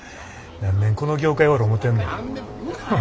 何年この業界おる思てんねん。